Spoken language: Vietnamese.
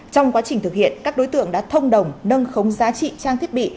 trong quá trình thực hiện các đối tượng đã thông đồng nâng khống giá trị trang thiết bị